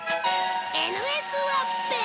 Ｎ・Ｓワッペン？